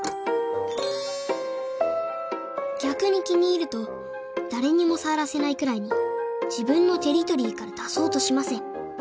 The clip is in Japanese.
逆に気に入ると誰にも触らせないくらいに自分のテリトリーから出そうとしません